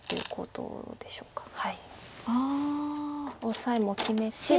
オサエも決めて。